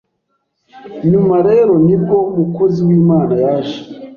Nyuma rero nibwo umukozi w’Imana yaje